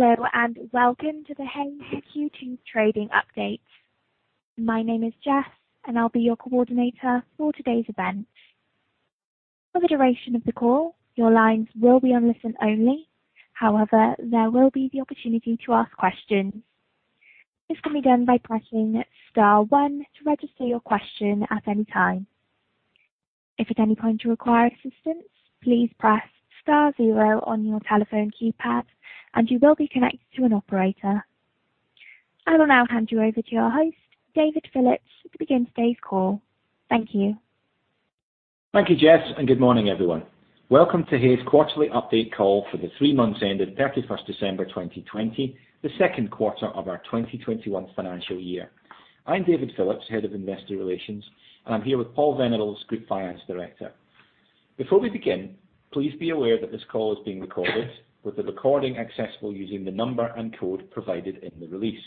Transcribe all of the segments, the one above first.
Hello, and welcome to the Hays Q2 Trading Update. My name is Jess, and I'll be your coordinator for today's event. For the duration of the call, your lines will be on listen only. However, there will be the opportunity to ask questions. This can be done by pressing star one to register your question at any time. If at any point you require assistance, please press star zero on your telephone keypad, and you will be connected to an operator. I will now hand you over to your host, David Phillips, to begin today's call. Thank you. Thank you, Jess, and good morning, everyone. Welcome to Hays' quarterly update call for the three months ending 31st December 2020, the second quarter of our 2021 financial year. I'm David Phillips, Head of Investor Relations, and I'm here with Paul Venables, Group Finance Director. Before we begin, please be aware that this call is being recorded, with the recording accessible using the number and code provided in the release.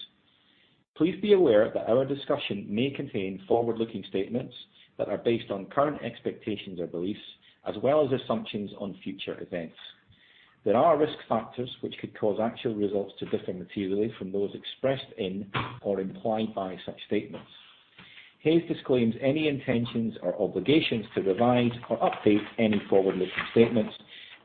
Please be aware that our discussion may contain forward-looking statements that are based on current expectations or beliefs, as well as assumptions on future events. There are risk factors which could cause actual results to differ materially from those expressed in or implied by such statements. Hays disclaims any intentions or obligations to revise or update any forward-looking statements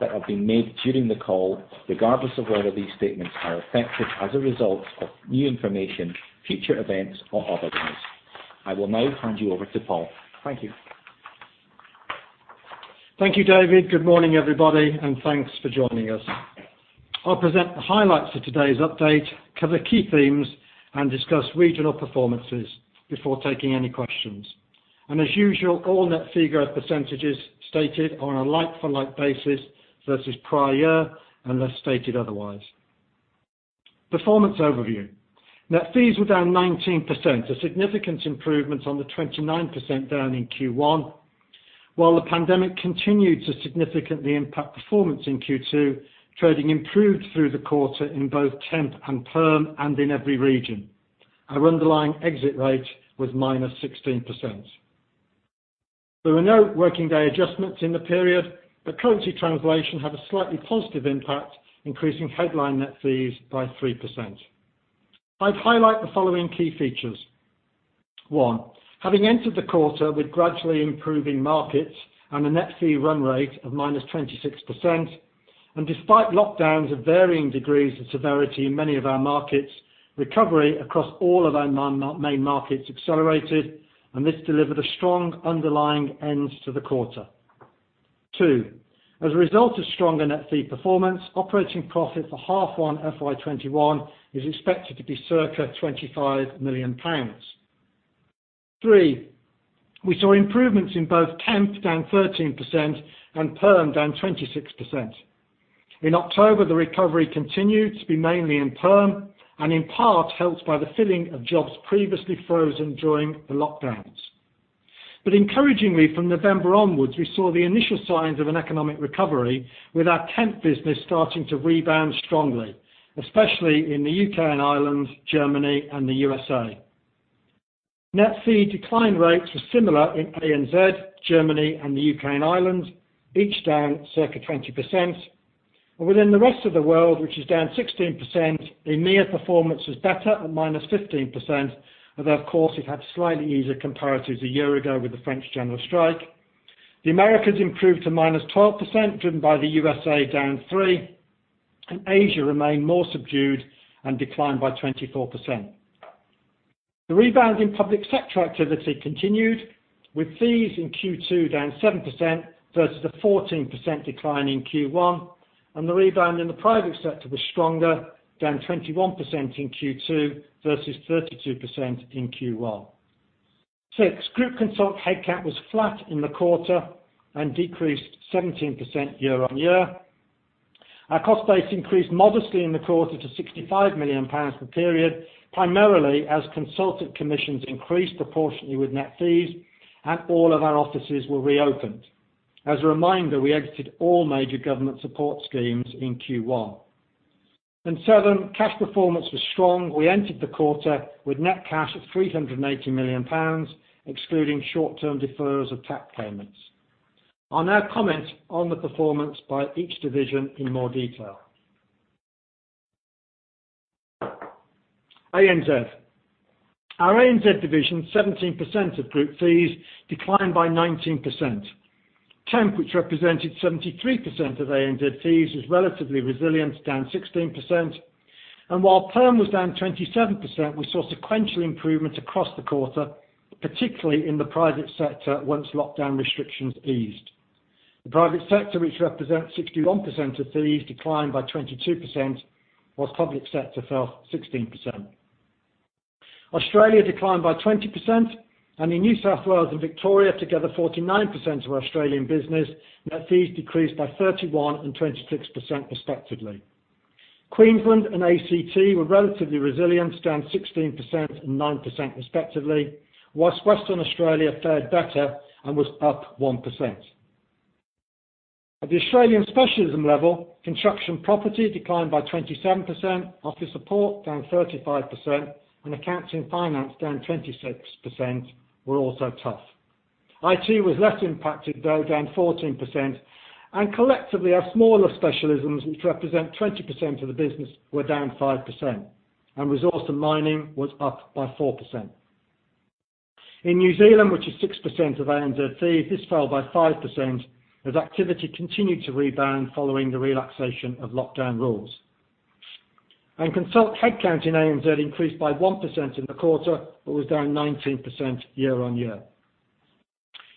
that have been made during the call, regardless of whether these statements are affected as a result of new information, future events, or otherwise. I will now hand you over to Paul. Thank you. Thank you, David. Good morning, everybody, and thanks for joining us. I'll present the highlights of today's update, cover key themes, and discuss regional performances before taking any questions. As usual, all net figure percentages stated are on a like-for-like basis versus prior year, unless stated otherwise. Performance overview. Net fees were down 19%, a significant improvement on the 29% down in Q1. While the pandemic continued to significantly impact performance in Q2, trading improved through the quarter in both Temp and perm, and in every region. Our underlying exit rate was -16%. There were no working day adjustments in the period, but currency translation had a slightly positive impact, increasing headline net fees by 3%. I'd highlight the following key features. One, having entered the quarter with gradually improving markets and a net fee run rate of -26%, and despite lockdowns of varying degrees of severity in many of our markets, recovery across all of our main markets accelerated, and this delivered a strong underlying end to the quarter. Two, as a result of stronger net fee performance, operating profit for half one FY 2021 is expected to be circa 25 million pounds. Three, we saw improvements in both Temp, down 13%, and perm, down 26%. In October, the recovery continued to be mainly in perm, and in part helped by the filling of jobs previously frozen during the lockdowns. Encouragingly, from November onwards, we saw the initial signs of an economic recovery, with our Temp business starting to rebound strongly, especially in the U.K. and Ireland, Germany, and the U.S.A. Net fee decline rates were similar in ANZ, Germany, and the U.K. and Ireland, each down circa 20%. Within the rest of the world, which is down 16%, EMEA performance was better at -15%, although of course, it had slightly easier comparatives a year ago with the French general strike. The Americas improved to -12%, driven by the U.S.A. down 3%. Asia remained more subdued and declined by 24%. The rebound in public sector activity continued, with fees in Q2 down 7% versus a 14% decline in Q1. The rebound in the private sector was stronger, down 21% in Q2 versus 32% in Q1. Six, group consult headcount was flat in the quarter and decreased 17% year-on-year. Our cost base increased modestly in the quarter to 65 million pounds per period, primarily as consultant commissions increased proportionally with net fees and all of our offices were reopened. As a reminder, we exited all major government support schemes in Q1. In Summary, cash performance was strong. We entered the quarter with net cash of 390 million pounds, excluding short-term deferrals of tax payments. I'll now comment on the performance by each division in more detail. ANZ. Our ANZ division, 17% of group fees, declined by 19%. Temp, which represented 73% of ANZ fees, was relatively resilient, down 16%. While perm was down 27%, we saw sequential improvement across the quarter, particularly in the private sector once lockdown restrictions eased. The private sector, which represents 61% of fees, declined by 22%, while public sector fell 16%. Australia declined by 20%. In New South Wales and Victoria, together 49% of Australian business, net fees decreased by 31 and 26% respectively. Queensland and ACT were relatively resilient, down 16% and 9% respectively, whilst Western Australia fared better and was up 1%. At the Australian specialism level, Construction Property declined by 27%, Office Support down 35%, and Accounts and Finance down 26% were also tough. IT was less impacted though, down 14%. Collectively, our smaller specialisms, which represent 20% of the business, were down 5%. Resources and Mining was up by 4%. In New Zealand, which is 6% of ANZ fees, this fell by 5% as activity continued to rebound following the relaxation of lockdown rules. Consult headcount in ANZ increased by 1% in the quarter, but was down 19% year-on-year.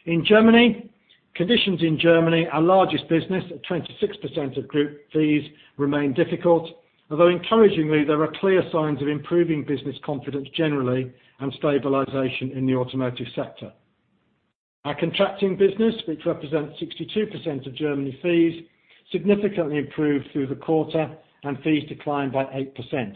In Germany, conditions in Germany, our largest business at 26% of group fees, remain difficult, although encouragingly, there are clear signs of improving business confidence generally and stabilization in the automotive sector. Our contracting business, which represents 62% of Germany fees, significantly improved through the quarter and fees declined by 8%.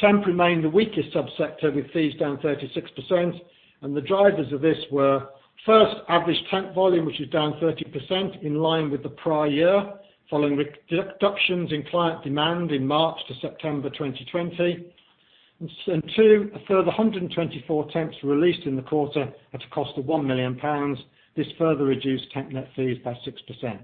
Temp remained the weakest sub-sector, with fees down 36%, and the drivers of this were, first, average Temp volume, which is down 30% in line with the prior year, following reductions in client demand in March to September 2020. Two, a further 124 Temps released in the quarter at a cost of 1 million pounds. This further reduced Temp net fees by 6%.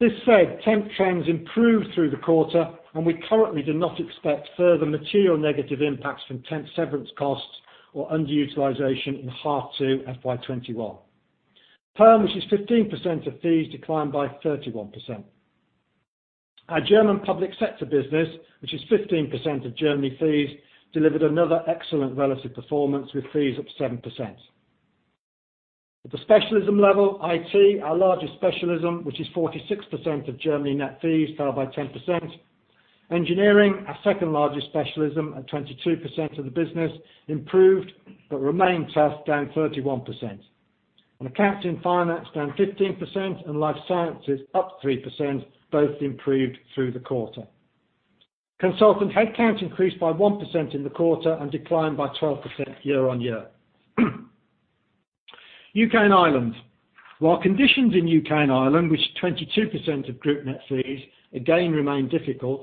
This said, Temp trends improved through the quarter, and we currently do not expect further material negative impacts from Temp severance costs or underutilization in half two FY 2021. Perm, which is 15% of fees, declined by 31%. Our German public sector business, which is 15% of Germany fees, delivered another excellent relative performance with fees up 7%. At the specialism level, IT, our largest specialism, which is 46% of Germany net fees, fell by 10%. Engineering, our second-largest specialism at 22% of the business, improved but remained tough, down 31%. Accounting and Finance, down 15%, and Life Sciences up 3%, both improved through the quarter. Consultant headcount increased by 1% in the quarter and declined by 12% year-on-year. U.K. and Ireland. Conditions in U.K. and Ireland, which is 22% of group net fees, again remained difficult.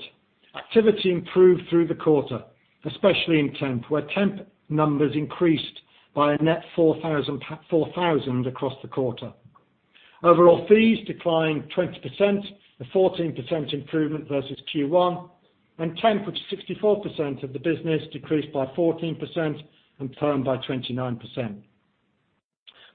Activity improved through the quarter, especially in Temp, where Temp numbers increased by a net 4,000 across the quarter. Overall fees declined 20%, a 14% improvement versus Q1, and Temp, which is 64% of the business, decreased by 14% and perm by 29%.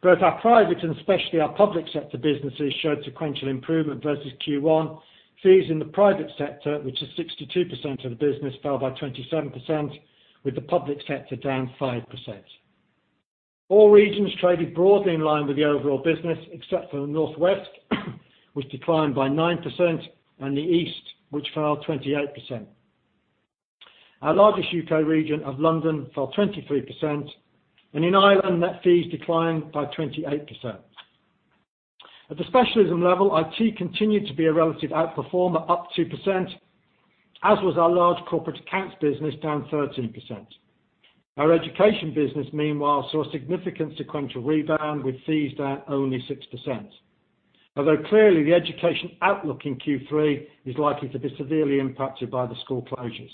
Both our private and especially our public sector businesses showed sequential improvement versus Q1. Fees in the private sector, which is 62% of the business, fell by 27%, with the public sector down 5%. All regions traded broadly in line with the overall business, except for the Northwest which declined by 9% and the East, which fell 28%. Our largest U.K. region of London fell 23%, and in Ireland, net fees declined by 28%. At the specialism level, IT continued to be a relative outperformer, up 2%, as was our large corporate accounts business, down 13%. Our education business, meanwhile, saw a significant sequential rebound, with fees down only 6%. Clearly, the education outlook in Q3 is likely to be severely impacted by the school closures.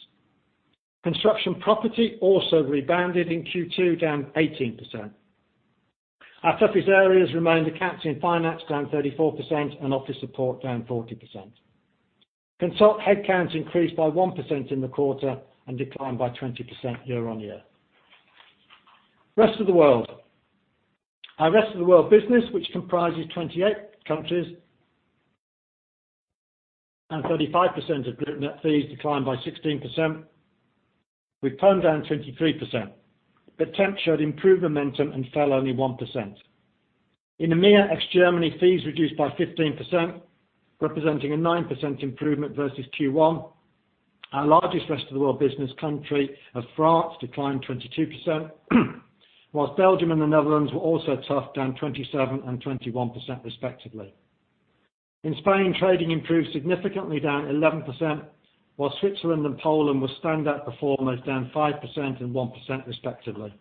Construction & Property also rebounded in Q2, down 18%. Our toughest areas remain Accountancy & Finance, down 34%, and Office Support, down 40%. Consult headcount increased by 1% in the quarter and declined by 20% year-on-year. Rest of the world. Our rest of the world business, which comprises 28 countries and 35% of group net fees, declined by 16%, with perm down 23%. Temp showed improved momentum and fell only 1%. In EMEA, ex-Germany fees reduced by 15%, representing a 9% improvement versus Q1. Our largest rest-of-the-world business country of France declined 22%, while Belgium and the Netherlands were also tough, down 27% and 21% respectively. In Spain, trading improved significantly, down 11%, while Switzerland and Poland were standout performers, down 5% and 1% respectively.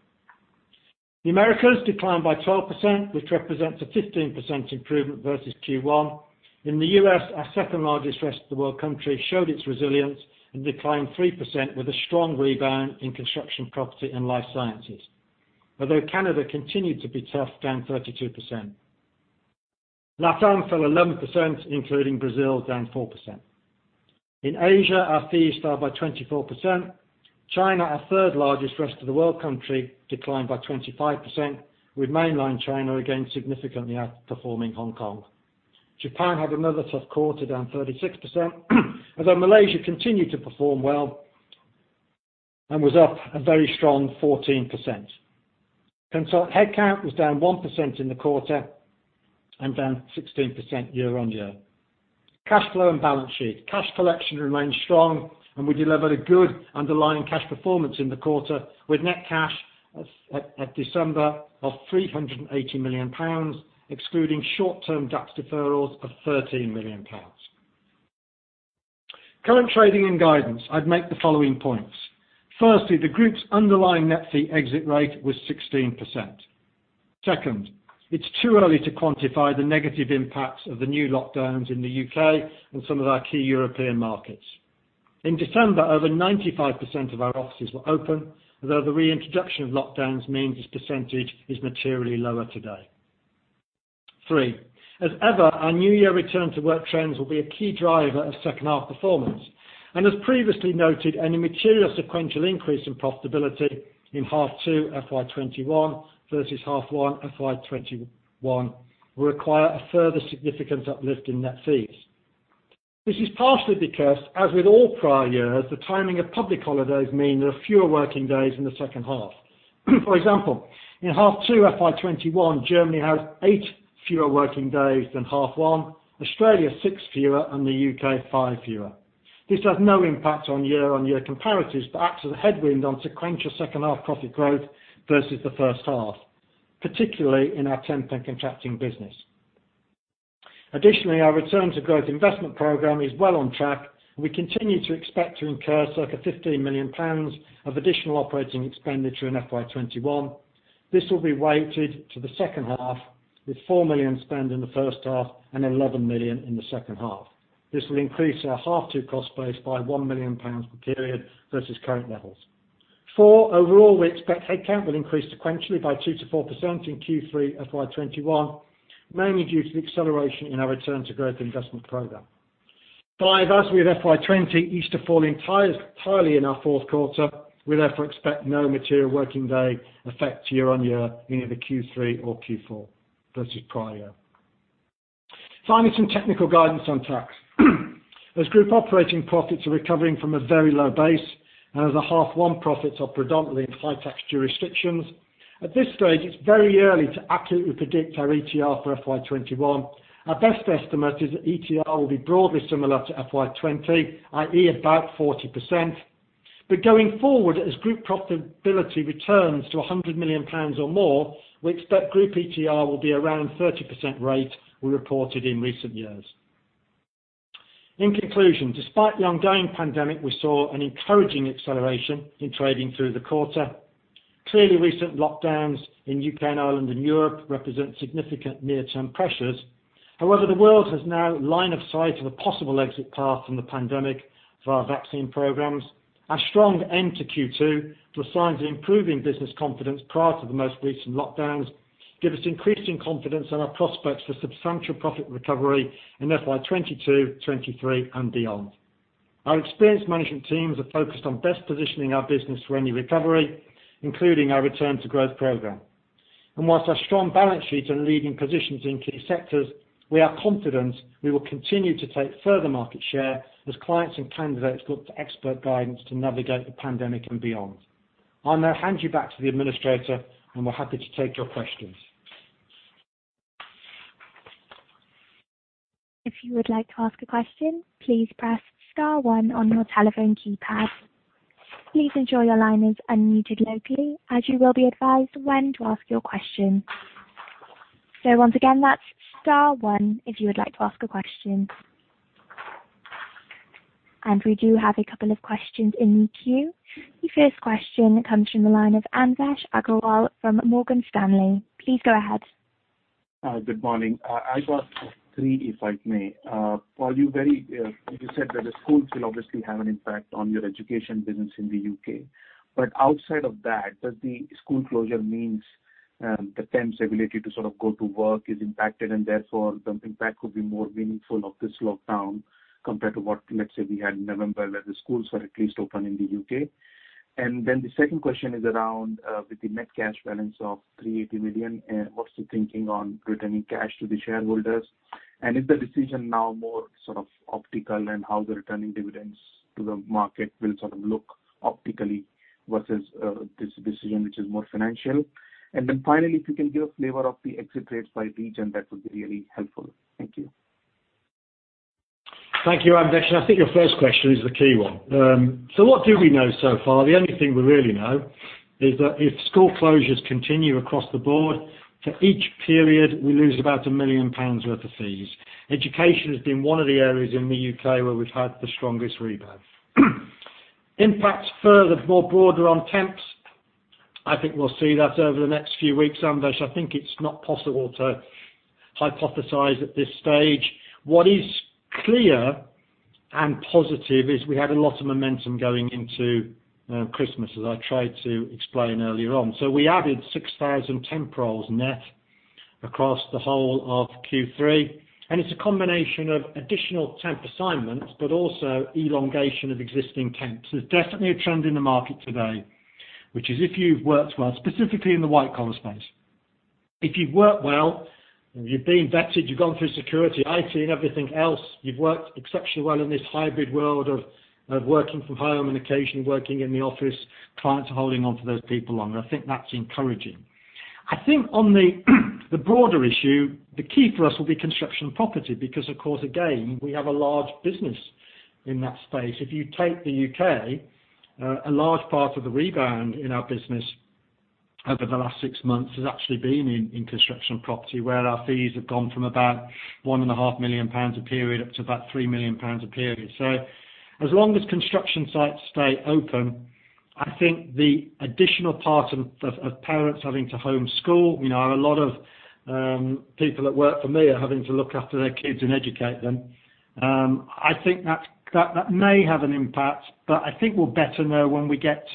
The Americas declined by 12%, which represents a 15% improvement versus Q1. In the U.S., our second-largest rest-of-the-world country showed its resilience and declined 3% with a strong rebound in construction, property, and Life Sciences. Although Canada continued to be tough, down 32%. LATAM fell 11%, including Brazil, down 4%. In Asia, our fees fell by 24%. China, our third-largest rest-of-the-world country, declined by 25%, with mainland China again significantly outperforming Hong Kong. Japan had another tough quarter, down 36%, although Malaysia continued to perform well and was up a very strong 14%. Consult headcount was down 1% in the quarter and down 16% year-on-year. Cash flow and balance sheet. Cash collection remained strong, and we delivered a good underlying cash performance in the quarter, with net cash at December of 380 million pounds, excluding short-term tax deferrals of 13 million pounds. Current trading and guidance, I'd make the following points. The group's underlying net fee exit rate was 16%. It's too early to quantify the negative impacts of the new lockdowns in the U.K. and some of our key European markets. In December, over 95% of our offices were open, although the reintroduction of lockdowns means this percentage is materially lower today. As ever, our new year return-to-work trends will be a key driver of second half performance. As previously noted, any material sequential increase in profitability in half two FY 2021 versus half one FY 2021 will require a further significant uplift in net fees. This is partially because, as with all prior years, the timing of public holidays mean there are fewer working days in the second half. For example, in half two FY 2021, Germany has eight fewer working days than half one, Australia six fewer, and the U.K. five fewer. This has no impact on year-on-year comparatives, but acts as a headwind on sequential second half profit growth versus the first half, particularly in our Temp and Contracting business. Additionally, our Return to Growth investment program is well on track, and we continue to expect to incur circa 15 million pounds of additional operating expenditure in FY 2021. This will be weighted to the second half, with 4 million spent in the first half and 11 million in the second half. This will increase our half two cost base by 1 million pounds per period versus current levels. Four, overall, we expect headcount will increase sequentially by 2%-4% in Q3 FY 2021, mainly due to the acceleration in our Return to Growth investment program. Five, as with FY 2020, Easter fall entirely in our fourth quarter. We therefore expect no material working day effect year-on-year in either Q3 or Q4 versus prior. Finally, some technical guidance on tax. As group operating profits are recovering from a very low base and as the half one profits are predominantly in high-tax jurisdictions, at this stage, it is very early to accurately predict our ETR for FY 2021. Our best estimate is that ETR will be broadly similar to FY 2020, i.e., about 40%. Going forward, as group profitability returns to 100 million pounds or more, we expect group ETR will be around 30% rate we reported in recent years. In conclusion, despite the ongoing pandemic, we saw an encouraging acceleration in trading through the quarter. Clearly, recent lockdowns in U.K. and Ireland and Europe represent significant near-term pressures. However, the world has now line of sight of a possible exit path from the pandemic via vaccine programs. Our strong end to Q2, plus signs of improving business confidence prior to the most recent lockdowns, give us increasing confidence in our prospects for substantial profit recovery in FY22, FY23, and beyond. Our experienced management teams are focused on best positioning our business for any recovery, including our Return to Growth program. Whilst our strong balance sheets are in leading positions in key sectors, we are confident we will continue to take further market share as clients and candidates look to expert guidance to navigate the pandemic and beyond. I'll now hand you back to the administrator, and we're happy to take your questions. If you would like to ask a question, please press star one on your telephone keypad. Please ensure your line is unmuted locally, as you will be advised when to ask your question. Once again, that's star one if you would like to ask a question. We do have a couple of questions in the queue. The first question comes from the line of Anvesh Agrawal from Morgan Stanley. Please go ahead. Good morning. I've got three, if I may. You said that the schools will obviously have an impact on your education business in the U.K. Outside of that, does the Temp's ability to go to work is impacted, and therefore the impact could be more meaningful of this lockdown compared to what, let's say, we had in November, where the schools were at least open in the U.K.? The second question is around with the net cash balance of 380 million, what's the thinking on returning cash to the shareholders? Is the decision now more optical in how the returning dividends to the market will look optically versus this decision which is more financial? Finally, if you can give a flavor of the exit rates by region, that would be really helpful. Thank you. Thank you, Anvesh. I think your first question is the key one. What do we know so far? The only thing we really know is that if school closures continue across the board, for each period, we lose about 1 million pounds worth of fees. Education has been one of the areas in the U.K. where we've had the strongest rebound. Impacts further, more broader on Temps, I think we'll see that over the next few weeks, Anvesh. I think it's not possible to hypothesize at this stage. What is clear and positive is we had a lot of momentum going into Christmas, as I tried to explain earlier on. We added 6,000 Temps net across the whole of Q3. It's a combination of additional Temp assignments, but also elongation of existing Temps. There's definitely a trend in the market today, which is if you've worked well, specifically in the white collar space, if you've worked well, you've been vetted, you've gone through security, IT, and everything else, you've worked exceptionally well in this hybrid world of working from home and occasionally working in the office, clients are holding on to those people longer. I think that's encouraging. I think on the broader issue, the key for us will be Construction & Property because, of course, again, we have a large business in that space. If you take the U.K., a large part of the rebound in our business over the last six months has actually been in Construction & Property, where our fees have gone from about 1.5 million pounds a period up to about 3 million pounds a period. As long as construction sites stay open, I think the additional part of parents having to homeschool, a lot of people that work for me are having to look after their kids and educate them. I think that may have an impact, but I think we'll better know when we can get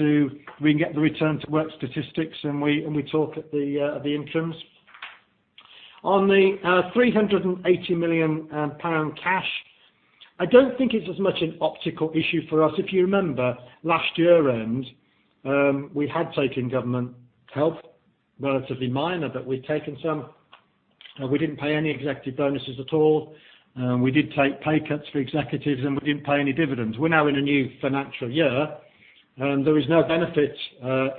the return-to-work statistics and we talk at the interims. On the 380 million pound cash, I don't think it's as much an optical issue for us. If you remember, last year end, we had taken government help, relatively minor, but we'd taken some. We didn't pay any executive bonuses at all. We did take pay cuts for executives, and we didn't pay any dividends. We're now in a new financial year. There is no benefit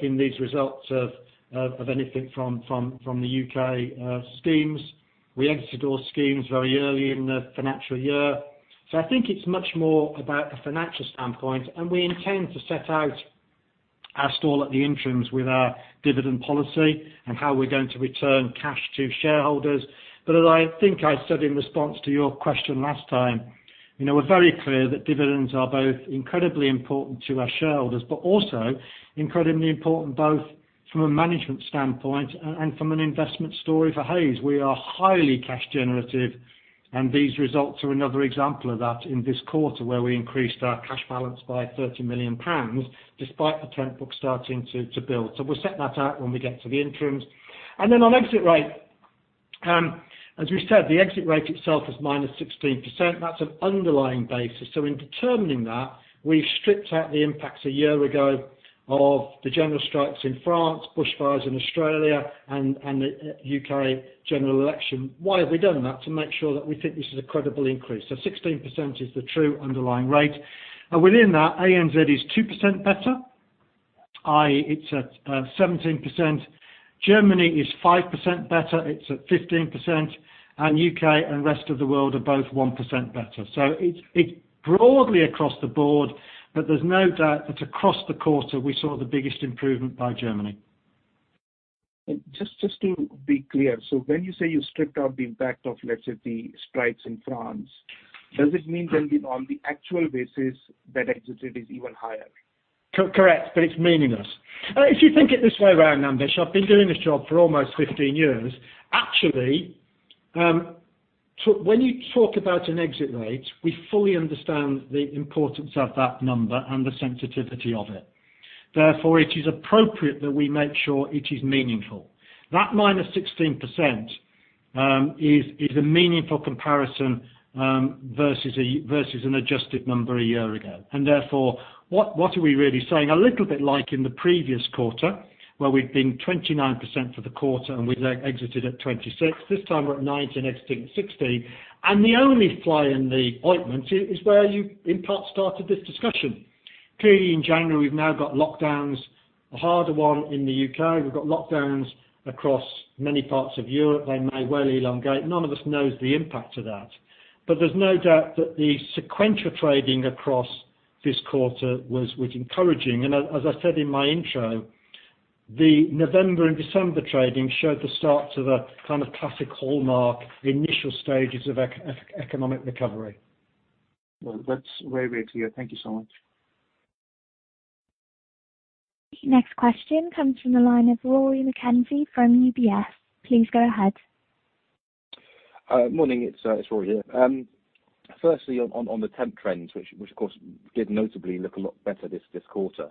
in these results of anything from the U.K. schemes. We exited all schemes very early in the financial year. I think it's much more about a financial standpoint, and we intend to set out our stall at the interims with our dividend policy and how we're going to return cash to shareholders. As I think I said in response to your question last time, we're very clear that dividends are both incredibly important to our shareholders, but also incredibly important both from a management standpoint and from an investment story for Hays. We are highly cash generative, and these results are another example of that in this quarter, where we increased our cash balance by 30 million pounds, despite the Temp book starting to build. We'll set that out when we get to the interims. On exit rate, as we said, the exit rate itself is -16%. That's an underlying basis. In determining that, we stripped out the impacts a year ago of the general strikes in France, bushfires in Australia, and the U.K. general election. Why have we done that? To make sure that we think this is a credible increase. 16% is the true underlying rate. Within that, ANZ is 2% better, i.e., it's at 17%. Germany is 5% better, it's at 15%, and U.K. and rest of the world are both 1% better. It's broadly across the board, but there's no doubt it's across the quarter we saw the biggest improvement by Germany. Just to be clear, so when you say you stripped out the impact of, let's say, the strikes in France, does it mean then on the actual basis that exited is even higher? Correct, it's meaningless. If you think it this way around, Anvesh, I've been doing this job for almost 15 years. Actually, when you talk about an exit rate, we fully understand the importance of that number and the sensitivity of it. Therefore, it is appropriate that we make sure it is meaningful. That -16% is a meaningful comparison versus an adjusted number a year ago. Therefore, what are we really saying? A little bit like in the previous quarter, where we'd been 29% for the quarter and we exited at 26. This time we're at nine and exiting at 16. The only fly in the ointment is where you, in part, started this discussion. Clearly in January, we've now got lockdowns, a harder one in the U.K. We've got lockdowns across many parts of Europe. They may well elongate. None of us knows the impact of that. There's no doubt that the sequential trading across this quarter was encouraging. As I said in my intro, the November and December trading showed the start of a kind of classic hallmark, the initial stages of economic recovery. Well, that's very clear. Thank you so much. Next question comes from the line of Rory McKenzie from UBS. Please go ahead. Morning, it's Rory here. Firstly, on the Temp trends, which of course did notably look a lot better this quarter.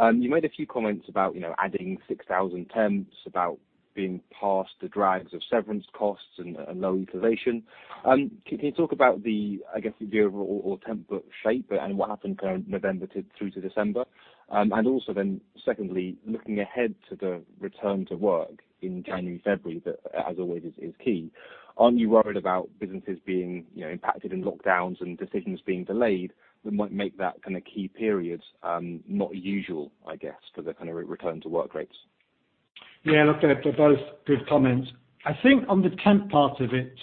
You made a few comments about adding 6,000 Temps, about being past the drags of severance costs and low utilization. Can you talk about the, I guess, the overall Temp book shape and what happened November through to December? Secondly, looking ahead to the return to work in January, February, that as always is key. Aren't you worried about businesses being impacted in lockdowns and decisions being delayed that might make that kind of key period not usual, I guess, for the kind of return-to-work rates? Yeah, look, they're both good comments. I think on the Temp part of it,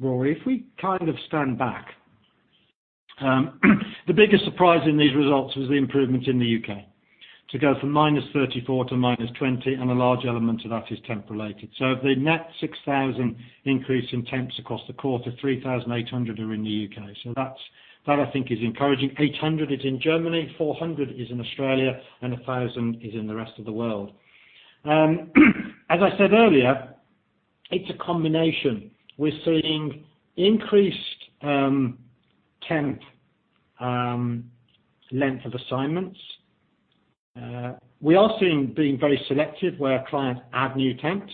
Rory, if we kind of stand back, the biggest surprise in these results was the improvement in the U.K. to go from -34 to -20, and a large element of that is Temp related. Of the net 6,000 increase in Temps across the quarter, 3,800 are in the U.K. That I think is encouraging. 800 is in Germany, 400 is in Australia, and 1,000 is in the rest of the world. As I said earlier, it's a combination. We're seeing increased Temp length of assignments. We are seeing being very selective where clients add new Temps.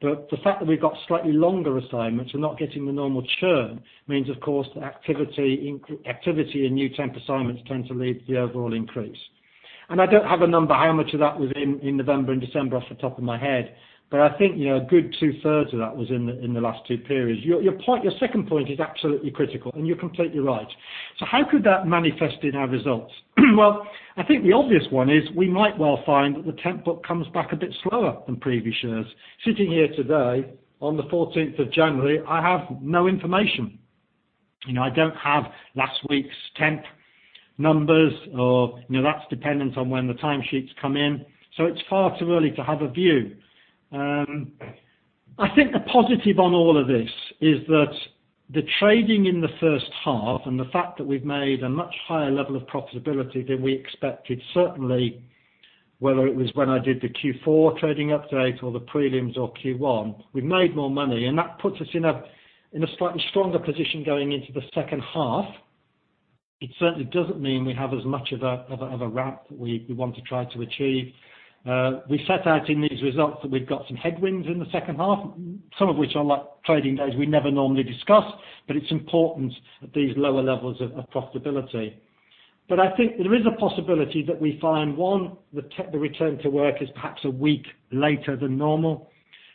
The fact that we've got slightly longer assignments and not getting the normal churn means of course the activity in new Temp assignments tend to lead to the overall increase. I don't have a number how much of that was in November and December off the top of my head, but I think a good two-thirds of that was in the last two periods. Your second point is absolutely critical, and you're completely right. How could that manifest in our results? I think the obvious one is we might well find that the Temp book comes back a bit slower than previous years. Sitting here today on the 14th of January, I have no information. I don't have last week's Temp numbers. That's dependent on when the time sheets come in. It's far too early to have a view. Okay. I think the positive on all of this is that the trading in the first half and the fact that we've made a much higher level of profitability than we expected, certainly whether it was when I did the Q4 trading update or the prelims or Q1, we've made more money, and that puts us in a slightly stronger position going into the second half. It certainly doesn't mean we have as much of a ramp that we want to try to achieve. We set out in these results that we've got some headwinds in the second half, some of which are like trading days we never normally discuss, but it's important at these lower levels of profitability. I think there is a possibility that we find, one, the return to work is perhaps a week later than normal,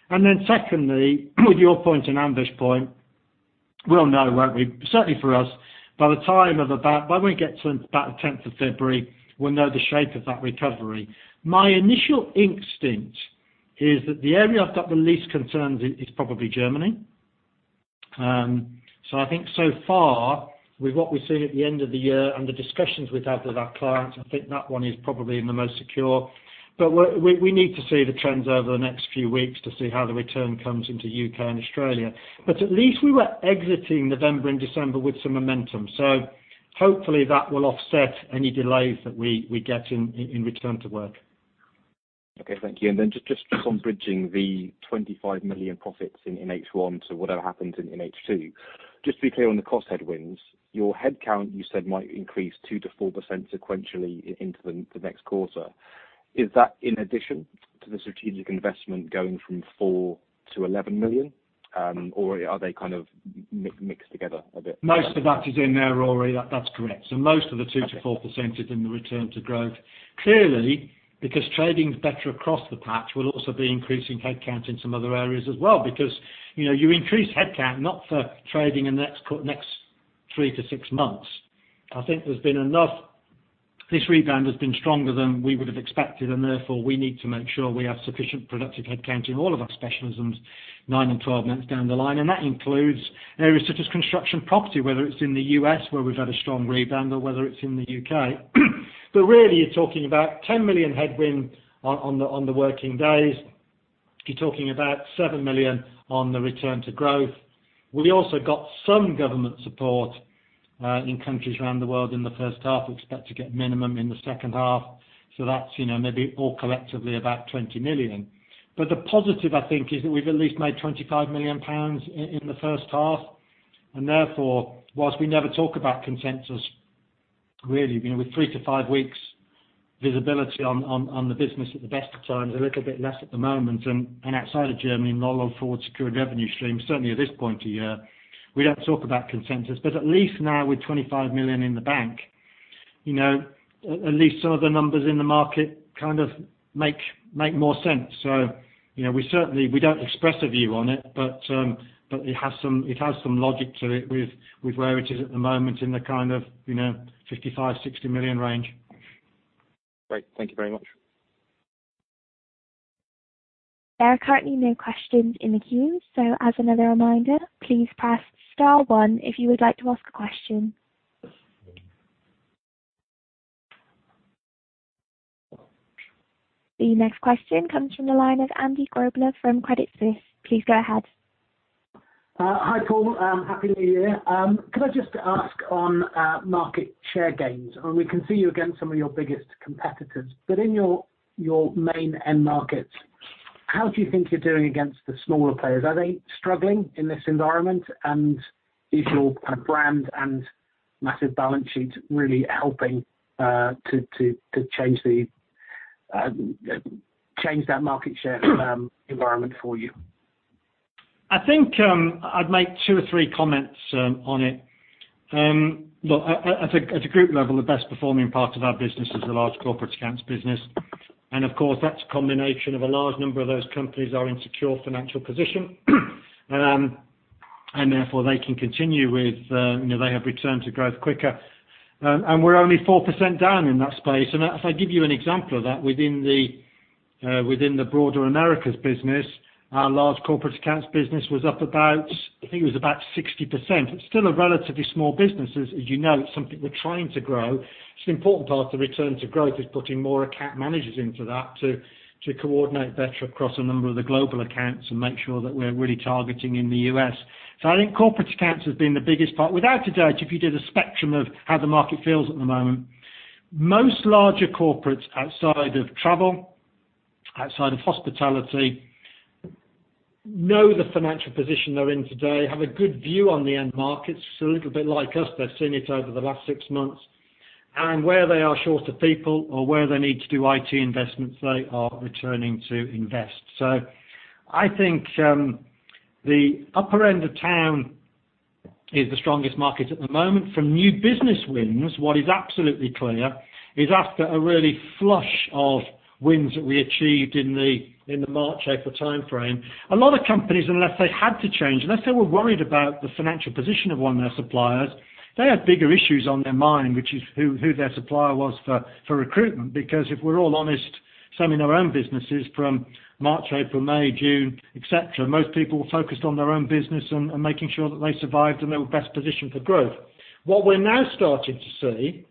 and then secondly, with your point and Anvesh's point, we'll know, won't we? Certainly for us, by the time of about when we get to about the 10th of February, we'll know the shape of that recovery. My initial instinct is that the area I've got the least concerns in is probably Germany. I think so far, with what we've seen at the end of the year and the discussions we've had with our clients, I think that one is probably the most secure. We need to see the trends over the next few weeks to see how the return comes into U.K. and Australia. At least we were exiting November and December with some momentum, so hopefully that will offset any delays that we get in Return to Growth. Okay, thank you. Just on bridging the 25 million profits in H1 to whatever happens in H2. Just to be clear on the cost headwinds, your head count, you said might increase 2%-4% sequentially into the next quarter. Is that in addition to the strategic investment going from 4 million to 11 million? Are they kind of mixed together a bit? Most of that is in there, Rory. That's correct. Most of the 2%-4% is in the Return to Growth. Clearly, because trading is better across the patch, we'll also be increasing head count in some other areas as well. You increase head count not for trading in the next three to six months. I think this rebound has been stronger than we would have expected, and therefore, we need to make sure we have sufficient productive head count in all of our specialisms nine and 12 months down the line. That includes areas such as Construction & Property, whether it's in the U.S. where we've had a strong rebound or whether it's in the U.K. Really, you're talking about 10 million headwind on the working days. You're talking about 7 million on the Return to Growth. We also got some government support, in countries around the world in the first half. We expect to get minimum in the second half. That's maybe all collectively about 20 million. The positive, I think, is that we've at least made 25 million pounds in the first half. Therefore, whilst we never talk about consensus, really, with three to five weeks visibility on the business at the best of times, a little bit less at the moment. Outside of Germany, not a lot of forward secured revenue stream, certainly at this point a year, we don't talk about consensus, but at least now with 25 million in the bank, at least some of the numbers in the market kind of make more sense. We certainly don't express a view on it, but it has some logic to it with where it is at the moment in the kind of 55 million-60 million range. Great. Thank you very much. There are currently no questions in the queue. As another reminder, please press star one if you would like to ask a question. The next question comes from the line of Andy Grobler from Credit Suisse. Please go ahead. Hi, Paul. Happy New Year. Could I just ask on market share gains, we can see you against some of your biggest competitors, but in your main end markets, how do you think you're doing against the smaller players? Are they struggling in this environment? Is your kind of brand and massive balance sheet really helping to change that market share environment for you? I think, I'd make two or three comments on it. Look, at a group level, the best-performing part of our business is the large corporate accounts business. Of course, that's a combination of a large number of those companies are in secure financial position. Therefore, they can continue, they have returned to Growth quicker. We're only 4% down in that space. If I give you an example of that, within the broader Americas business, our large corporate accounts business was up about, I think it was about 60%. It's still a relatively small business. As you know, it's something we're trying to grow. It's an important part of the Return to Growth is putting more account managers into that to coordinate better across a number of the global accounts, make sure that we're really targeting in the U.S. I think corporate accounts have been the biggest part. Without a doubt, if you did a spectrum of how the market feels at the moment, most larger corporates outside of travel, outside of hospitality, know the financial position they're in today, have a good view on the end markets. It's a little bit like us. They've seen it over the last six months. Where they are short of people or where they need to do IT investments, they are returning to invest. I think the upper end of town is the strongest market at the moment. From new business wins, what is absolutely clear is after a really flush of wins that we achieved in the March, April timeframe, a lot of companies, unless they had to change, unless they were worried about the financial position of one of their suppliers, they had bigger issues on their mind, which is who their supplier was for recruitment, because if we're all honest, some in our own businesses from March, April, May, June, et cetera, most people were focused on their own business and making sure that they survived, and they were best positioned for growth. What we're now starting to see,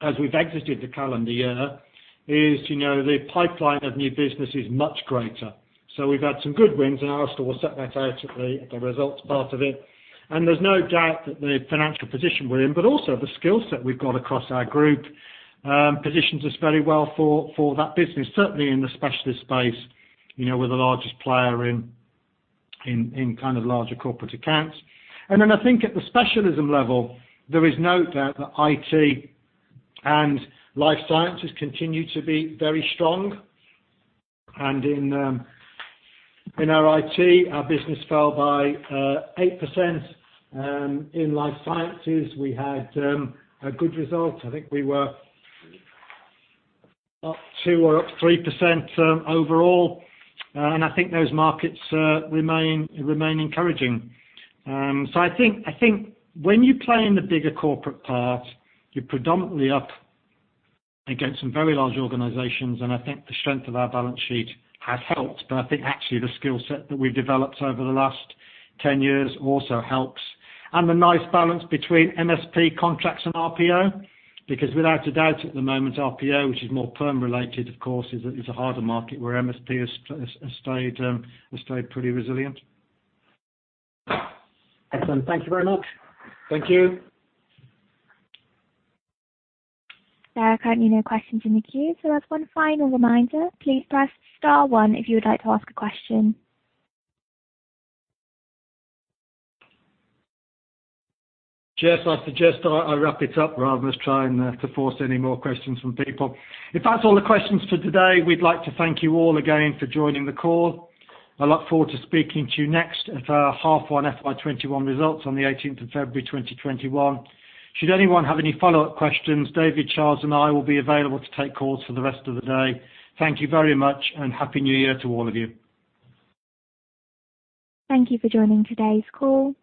as we've exited the calendar year, is the pipeline of new business is much greater. We've had some good wins, and Alistair will set that out at the results part of it. There's no doubt that the financial position we're in, but also the skill set we've got across our group, positions us very well for that business, certainly in the specialist space, we're the largest player in larger corporate accounts. Then I think at the specialism level, there is no doubt that IT and Life Sciences continue to be very strong. In our IT, our business fell by 8%. In Life Sciences, we had a good result. I think we were up 2% or up 3% overall. I think those markets remain encouraging. I think when you play in the bigger corporate part, you're predominantly up against some very large organizations, and I think the strength of our balance sheet has helped. I think actually the skill set that we've developed over the last 10 years also helps. The nice balance between MSP contracts and RPO, because without a doubt at the moment, RPO, which is more perm related, of course, is a harder market where MSP has stayed pretty resilient. Excellent. Thank you very much. Thank you. There are currently no questions in the queue, so as one final reminder, please press star one if you would like to ask a question. Jess, I suggest I wrap it up rather than trying to force any more questions from people. If that's all the questions for today, we'd like to thank you all again for joining the call. I look forward to speaking to you next at our half one FY 2021 results on the 18th of February 2021. Should anyone have any follow-up questions, David, Charles, and I will be available to take calls for the rest of the day. Thank you very much, and Happy New Year to all of you. Thank you for joining today's call.